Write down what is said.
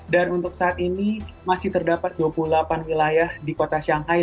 dan untuk saat ini masih terdapat dua puluh delapan wilayah di kota shanghai